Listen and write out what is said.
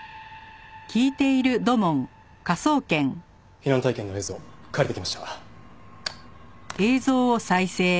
避難体験の映像借りてきました。